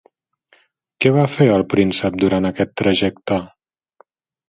Què va fer el príncep durant aquest trajecte?